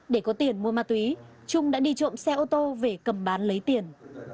để có tiền mua ma túy trung đã đi trộm xe ô tô về cầm bán lấy tiền